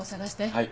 はい。